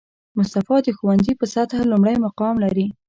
مصطفی د ښوونځي په سطحه لومړی مقام لري